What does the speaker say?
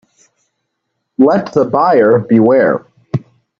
Let the buyer beware.